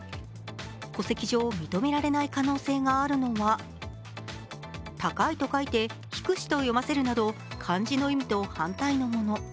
戸籍上、認められない可能性があるのは「高」と書いて「ひくし」と読ませるなと漢字の意味と反対のもの。